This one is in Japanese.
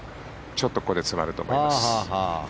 ちょっとここで詰まると思います。